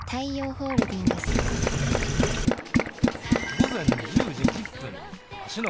午前１０時１０分芦ノ